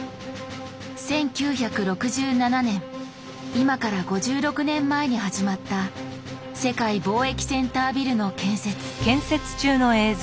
今から５６年前に始まった世界貿易センタービルの建設。